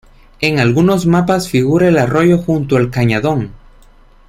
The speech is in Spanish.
En algunos mapas figura el arroyo junto al cañadón.